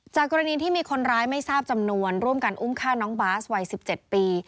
กรณีที่มีคนร้ายไม่ทราบจำนวนร่วมกันอุ้มฆ่าน้องบาสวัย๑๗ปี